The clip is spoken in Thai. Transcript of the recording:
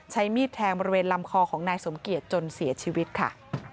มีดแทงบริเวณลำคอของนายสมเกียจจนเสียชีวิตค่ะ